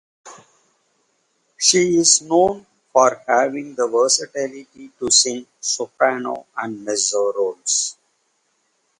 She is known for having the versatility to sing soprano and mezzo roles.